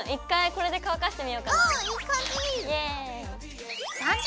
１回これで乾かしてみようかな。